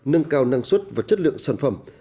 nâng cao năng suất và chất lượng sản phẩm